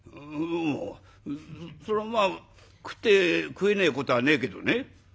「ううんそりゃまあ食って食えねえことはねえけどね」。